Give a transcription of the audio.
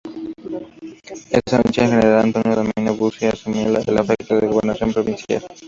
Esa noche el general Antonio Domingo Bussi asumió "de facto" la gobernación provincial.